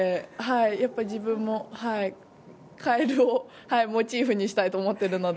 やっぱり自分もカエルをモチーフにしたいと思っているので。